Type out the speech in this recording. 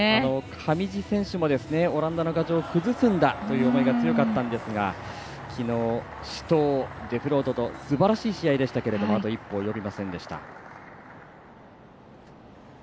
上地選手もオランダの牙城を崩すんだという思いが強かったんですがきのう、死闘、デフロートとすばらしい試合でしたがあと一歩及びませんでした。